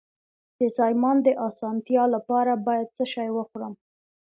د زایمان د اسانتیا لپاره باید څه شی وخورم؟